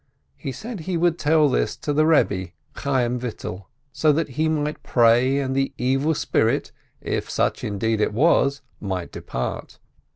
He said he would tell this to the Eebbe, Chayyim Vital, so that he might pray, and the evil spirit, if such indeed it was, might depart.